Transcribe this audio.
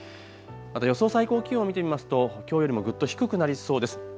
また予想最高気温見てみますときょうよりもぐっと低くなりそうです。